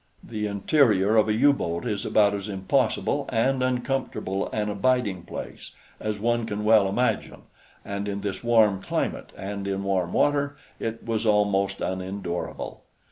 The interior of a U boat is about as impossible and uncomfortable an abiding place as one can well imagine, and in this warm climate, and in warm water, it was almost unendurable.